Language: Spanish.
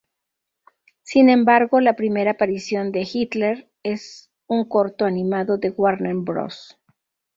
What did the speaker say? Sin embargo, la primera aparición de Hitler en un corto animado de Warner Bros.